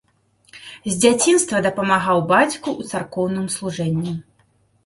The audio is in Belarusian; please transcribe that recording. З дзяцінства дапамагаў бацьку ў царкоўным служэнні.